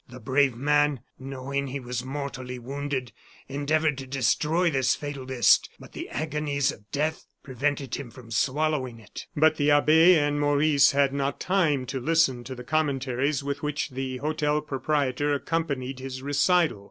The brave man, knowing he was mortally wounded, endeavored to destroy this fatal list; but the agonies of death prevented him from swallowing it " But the abbe and Maurice had not time to listen to the commentaries with which the hotel proprietor accompanied his recital.